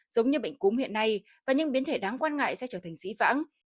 giống như bệnh cúm hiện nay và những biến thể đáng quan ngại sẽ trở thành dí vãng